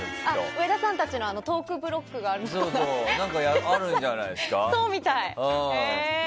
上田さんたちのトークブロックがあるのかな？